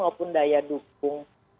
maupun daya dukung